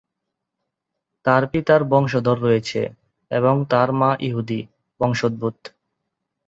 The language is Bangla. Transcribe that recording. তাঁর পিতার বংশধর রয়েছে এবং তাঁর মা ইহুদি, বংশোদ্ভূত।